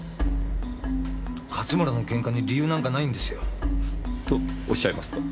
勝村のケンカに理由なんかないんですよ。とおっしゃいますと？